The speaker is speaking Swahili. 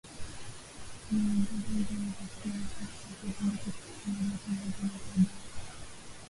kuwaongoza Njiani walisikia kwa mbali sauti ya bunduki risasi moja Wakaendelea na baada ya